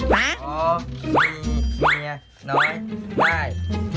หาอ๋อมีมีเนื้อน้อยได้